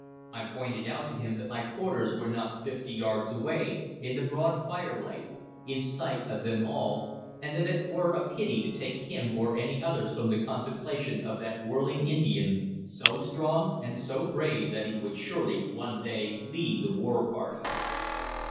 I pointed out to him that my quarters were not fifty yards away, in the broad firelight, in sight of them all, and that it were a pity to take him or any others from the contemplation of that whirling Indian, so strong and so brave that he would surely one day lead the war parties.